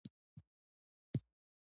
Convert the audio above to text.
ځینې ګړې بېلې نښې غواړي.